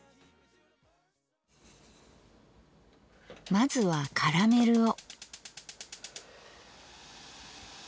まずはカラメルを。